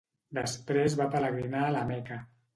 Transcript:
Després va pelegrinar a la Meca.